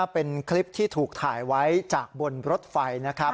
เป็นคลิปที่ถูกถ่ายไว้จากบนรถไฟนะครับ